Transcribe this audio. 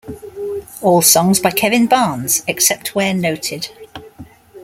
All songs by Kevin Barnes except where noted.